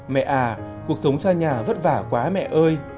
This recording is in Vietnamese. mẹ à cuộc sống xa nhà vất vả quá mẹ ơi